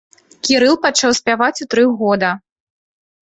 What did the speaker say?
Кірыл пачаў спяваць у тры года.